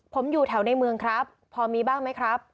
ผมอยู่แถวในเมืองครับพอมีบ้างไหมครับ